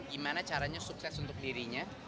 gimana caranya sukses untuk dirinya